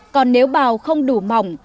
còn nếu bao không đủ mỏng